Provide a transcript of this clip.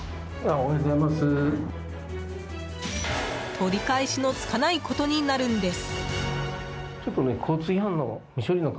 取り返しのつかないことになるんです！